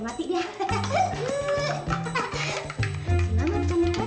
biar mati dia